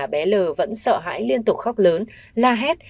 bé l vẫn sợ hãi liên tục khóc lớn la hét